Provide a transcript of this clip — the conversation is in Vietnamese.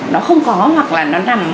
nó không có hoặc là nó nằm